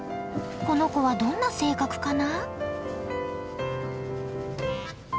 この子はどんな性格かな？